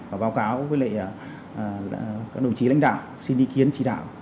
và báo cáo với các đồng chí lãnh đạo xin ý kiến chỉ đạo